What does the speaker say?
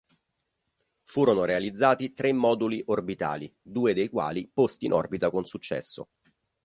Furono realizzati tre moduli orbitali, due dei quali posti in orbita con successo.